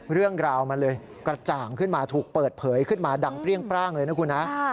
เรื่องราวมันเลยกระจ่างขึ้นมาถูกเปิดเผยขึ้นมาดังเปรี้ยงปร่างเลยนะคุณฮะ